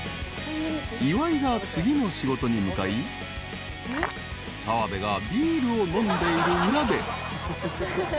［岩井が次の仕事に向かい澤部がビールを飲んでいる裏で］